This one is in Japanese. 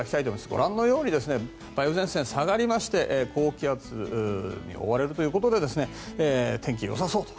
ご覧のように梅雨前線、下がりまして高気圧に覆われるということで天気よさそうと。